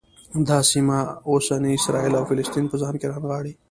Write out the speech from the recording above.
دا سیمه اوسني اسرایل او فلسطین په ځان کې رانغاړي.